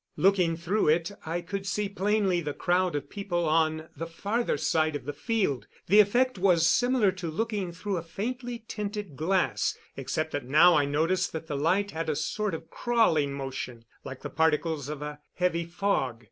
Looking through it, I could see plainly the crowd of people on the farther side of the field. The effect was similar to looking through a faintly tinted glass, except that now I noticed that the light had a sort of crawling motion, like the particles of a heavy fog.